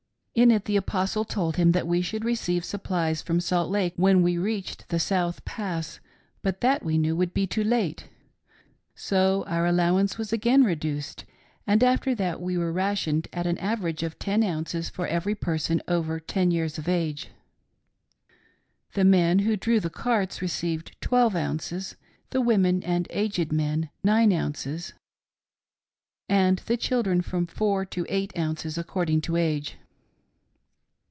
In it the Apostle told him that we should receive supplies from Salt Lake when we reached the South Pass ; but that we knew would be too late. So our allowance was again reduced, and after that we were rationed at an average of ten ounces for every person over ten years of age. The men who drew the carts received twelve ounces, the women and aged men, nine ounces, and the children from four to eight ounces according to age.